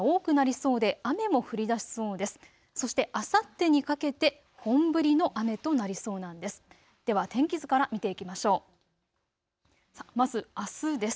そしてあさってにかけて本降りの雨となりそうなんです。